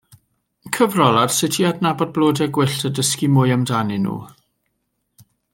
Cyfrol ar sut i adnabod blodau gwyllt a dysgu mwy amdanyn nhw.